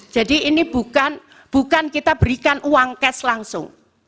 jadi ini bukan kita berikan uang cash langsung